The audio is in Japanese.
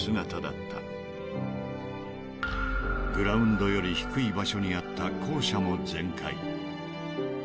［グラウンドより低い場所にあった校舎も］